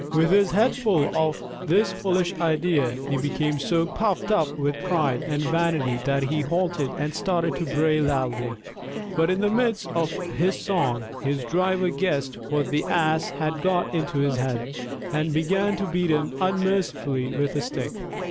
With his head full of this foolish idea, he became so puffed up with pride and vanity that he halted and started to bray loudly. But in the midst of his song, his driver guessed what the Ass had got into his head, and began to beat him unmercifully with a stick.